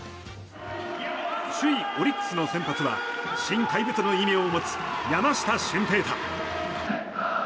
首位オリックスの先発は新怪物の異名を持つ山下舜平大。